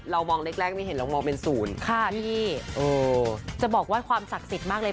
มองเล็กแรกไม่เห็นเรามองเป็นศูนย์ค่ะพี่เออจะบอกว่าความศักดิ์สิทธิ์มากเลย